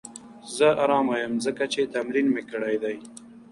زه ارامه یم ځکه چې تمرین مې کړی دی.